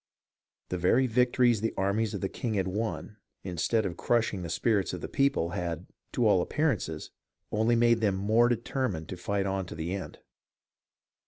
The very victories the armies of the king had won, instead of crushing the spirits of the people, had, to all appear ances, only made them the more determined to fight on to the end.